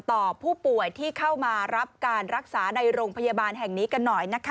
ต่อผู้ป่วยที่เข้ามารับการรักษาในโรงพยาบาลแห่งนี้กันหน่อยนะคะ